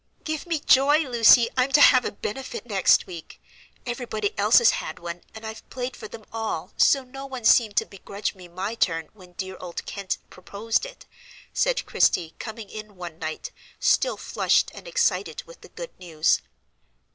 "Give me joy, Lucy, I'm to have a benefit next week! Everybody else has had one, and I've played for them all, so no one seemed to begrudge me my turn when dear old Kent proposed it," said Christie, coming in one night still flushed and excited with the good news.